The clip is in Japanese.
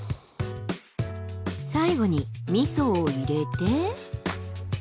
最後にみそを入れて。